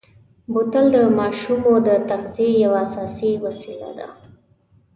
بوتل د ماشومو د تغذیې یوه اساسي وسیله ده.